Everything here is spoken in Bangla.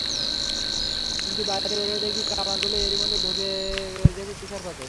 কিন্তু বাইরে বের হয়ে দেখি কামানগুলো এরই মধ্যে ঢেকে গেছে তুষারপাতে।